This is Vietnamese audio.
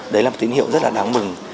đấy là một tín hiệu rất là đáng mừng